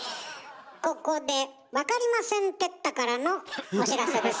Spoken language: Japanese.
ここでわかりません哲太からのお知らせです。